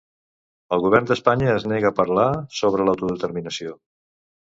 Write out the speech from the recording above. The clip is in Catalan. El govern d'Espanya es nega a parlar sobre l'autodeterminació.